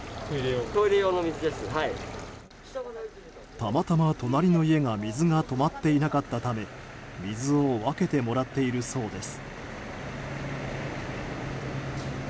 たまたま隣の家は水が止まっていなかったため水を分けてもらっているそうです。